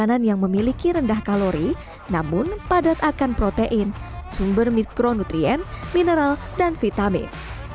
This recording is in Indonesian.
makanan yang memiliki rendah kalori namun padat akan protein sumber mikronutrien mineral dan vitamin